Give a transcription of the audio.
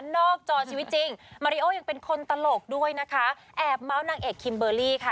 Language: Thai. จอชีวิตจริงมาริโอยังเป็นคนตลกด้วยนะคะแอบเมาส์นางเอกคิมเบอร์รี่ค่ะ